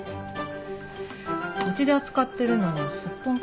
うちで扱ってるのはスッポン